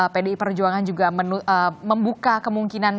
pdi perjuangan juga membuka kemungkinan